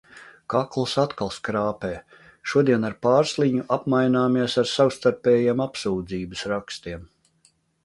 Kakls atkal skrāpē. Šodien ar Pārsliņu apmaināmies ar savstarpējiem apsūdzības rakstiem.